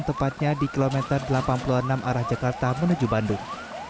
tepatnya di kilometer delapan puluh enam arah jakarta menuju bandung